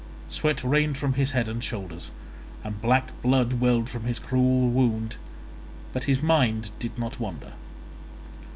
Sweat rained from his head and shoulders, and black blood welled from his cruel wound, but his mind did not wander.